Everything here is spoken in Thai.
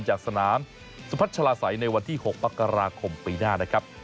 จากสนามสุพัฒน์ชะลาใสในวันที่๖ประกราคมปีหน้านะครับ